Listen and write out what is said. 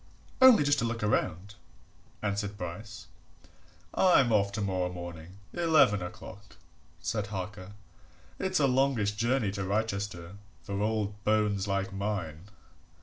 "Only just to look round," answered Bryce. "I'm off tomorrow morning eleven o'clock," said Harker. "It's a longish journey to Wrychester for old bones like mine."